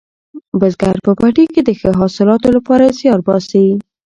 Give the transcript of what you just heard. بزګر په پټي کې د ښه حاصلاتو لپاره زیار باسي